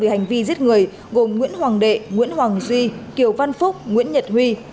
hành vi giết người gồm nguyễn hoàng đệ nguyễn hoàng duy kiều văn phúc nguyễn nhật huy